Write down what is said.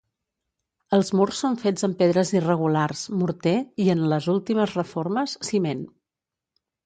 Els murs són fets amb pedres irregulars, morter i, en les últimes reformes, ciment.